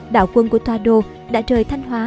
đạo quân của toa đô đã rời thanh hóa